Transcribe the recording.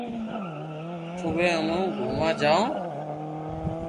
اووي امو گوموا جاوُ